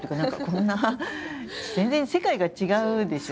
全然世界が違うでしょ